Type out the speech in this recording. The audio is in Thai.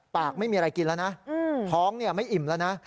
ไม่มีอะไรกินแล้วนะท้องไม่อิ่มแล้วนะ